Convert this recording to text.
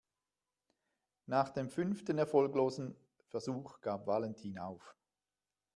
Nach dem fünften erfolglosen Versuch gab Valentin auf.